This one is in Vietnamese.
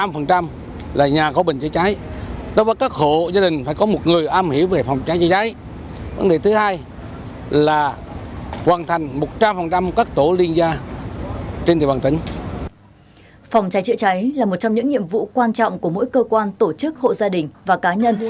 phòng cháy chữa cháy là một trong những nhiệm vụ quan trọng của mỗi cơ quan tổ chức hộ gia đình và cá nhân